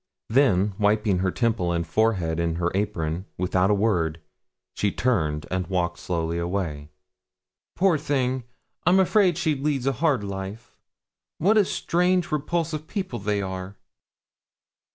Then, wiping her temple and forehead in her apron, without a word, she turned and walked slowly away. 'Poor thing! I'm afraid she leads a hard life. What strange, repulsive people they are!'